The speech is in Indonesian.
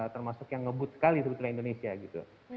termasuk yang ngebut sekali sebetulnya indonesia gitu